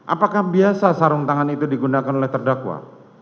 apakah biasa sarung tangan itu digunakan oleh terdakwa